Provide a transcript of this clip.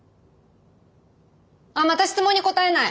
あっまた質問に答えない！